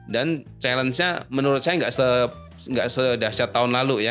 dan challenge nya menurut saya nggak sedahsyat tahun lalu ya